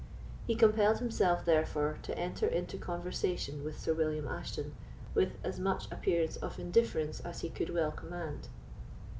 He compelled himself, therefore, to enter into conversation with Sir William Ashton, with as much appearance of indifference as he could well command.